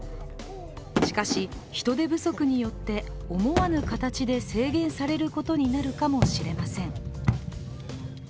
しかし、人手不足によって思わぬ形で制限されることになるかもしれません。